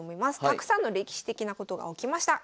たくさんの歴史的なことが起きました